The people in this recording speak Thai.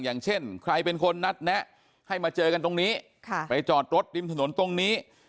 อย่างเช่นใครเป็นคนนัดแนะให้มาเจอกันตรงนี้ไปจอดรถริมถนนตรงนี้